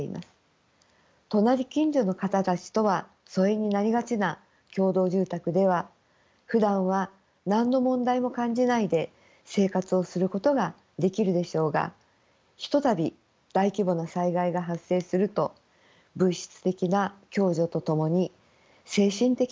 隣近所の方たちとは疎遠になりがちな共同住宅ではふだんは何の問題も感じないで生活をすることができるでしょうが一たび大規模な災害が発生すると物質的な共助とともに精神的な共助が非常に重要であることを改めて強調しておきたいと思います。